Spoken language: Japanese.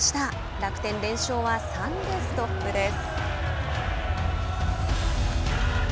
楽天、連勝は３でストップです。